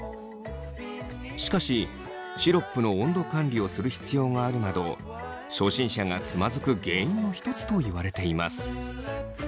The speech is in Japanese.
しかしシロップの温度管理をする必要があるなど初心者がつまずく原因の一つといわれています。